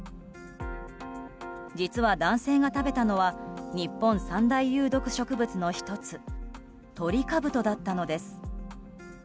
実は男性が食べたのは日本三大有毒植物の１つトリカブトだったのです。